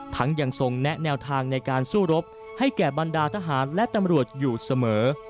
ยังทรงแนะแนวทางในการสู้รบให้แก่บรรดาทหารและตำรวจอยู่เสมอ